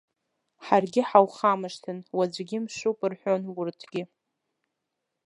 Ҳаргьы ҳаухамшҭын, уаҵәгьы мшуп рҳәон урҭгьы.